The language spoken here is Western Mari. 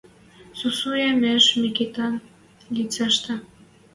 Сусу ямеш Микитӓн лицӓштӹ